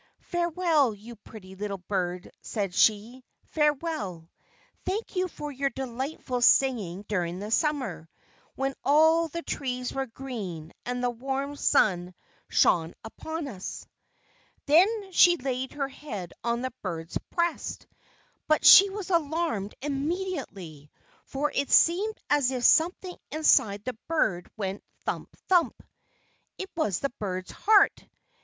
"Farewell, you pretty little bird!" said she, "farewell! Thank you for your delightful singing during the Summer, when all the trees were green, and the warm sun shone upon us." Then she laid her head on the bird's breast, but she was alarmed immediately, for it seemed as if something inside the bird went "thump, thump." It was the bird's heart!